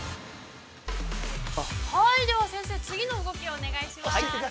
◆はい、では先生、次の動きをお願いします。